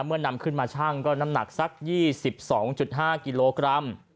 นำขึ้นมาชั่งก็น้ำหนักสัก๒๒๕กิโลกรัม